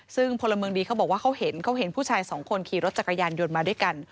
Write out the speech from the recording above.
ซึ่งพลเมืองดีเขาบอกว่าเขาเห็นเขาเห็นผู้ชายสองคนขี่รถจักรยานยนต์มาด้วยกัน